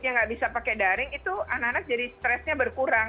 yang nggak bisa pakai daring itu anak anak jadi stresnya berkurang